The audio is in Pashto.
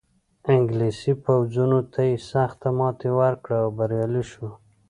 انګلیسي پوځونو ته یې سخته ماتې ورکړه او بریالی شو.